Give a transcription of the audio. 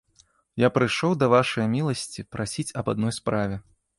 Я прыйшоў да вашае міласці прасіць аб адной справе.